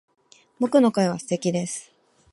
僕の声は素敵です